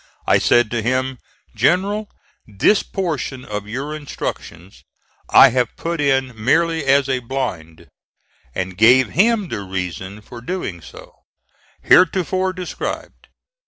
I said to him: "General, this portion of your instructions I have put in merely as a blind;" and gave him the reason for doing so, heretofore described.